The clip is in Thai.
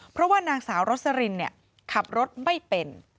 เพราะว่านางสาวรสรินขับรถไม่เป็น